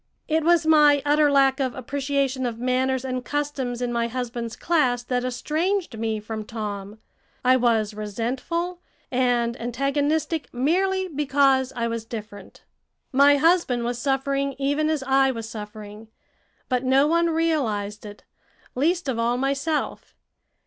It was my utter lack of appreciation of manners and customs in my husband's class that estranged me from Tom. I was resentful and antagonistic merely because I was different. My husband was suffering even as I was suffering; but no one realized it, least of all myself.